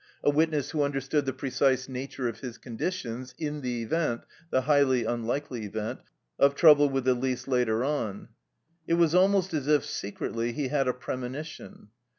A witness who understood the precise nature of his conditions, in the event, the highly unlikely event, of trouble with Elise later on. (It was almost as if, secretly, he had a premonition.)